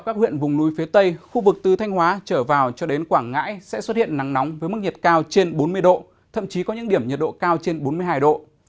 các huyện vùng núi phía tây khu vực từ thanh hóa trở vào cho đến quảng ngãi sẽ xuất hiện nắng nóng với mức nhiệt cao trên bốn mươi độ thậm chí có những điểm nhiệt độ cao trên bốn mươi hai độ